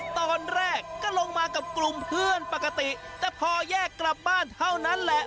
ตอนแรกก็ลงมากับกลุ่มเพื่อนปกติแต่พอแยกกลับบ้านเท่านั้นแหละ